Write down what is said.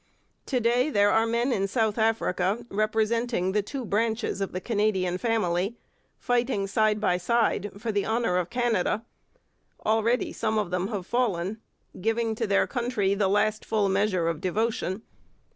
To day there are men in South Africa representing the two branches of the Canadian family, fighting side by side for the honour of Canada. Already some of them have fallen, giving to the country the last full measure of devotion.